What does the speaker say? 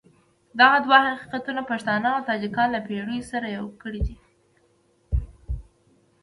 دغه دوه حقیقتونه پښتانه او تاجکان له پېړیو سره يو کړي دي.